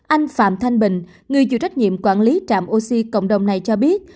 anh phạm thanh bình người chịu trách nhiệm quản lý trạm oxy cộng đồng này cho biết